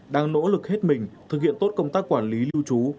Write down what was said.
đang nỗ lực hết mình thực hiện tốt công tác quản lý lưu trú